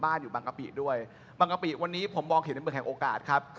อยู่บางกะปิด้วยบางกะปิวันนี้ผมมองเห็นในเมืองแห่งโอกาสครับ